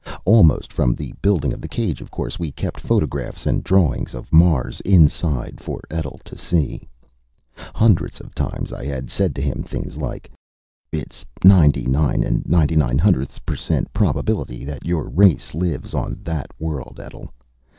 Almost from the building of the cage, of course, we'd kept photographs and drawings of Mars inside for Etl to see. Hundreds of times I had said to him things like: "It's a ninety nine and ninety nine hundredths per cent probability that your race lives on that world, Etl.